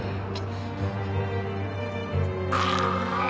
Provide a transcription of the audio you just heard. ああ。